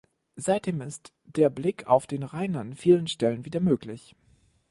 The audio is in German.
Seitdem ist der Blick auf den Rhein an vielen Stellen wieder möglich.